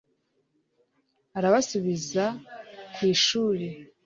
arabasubiza ku ishuri